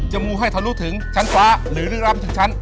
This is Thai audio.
จะมูให้เธอรู้ถึงชั้นฟ้าหรือลืมรับถึงชั้น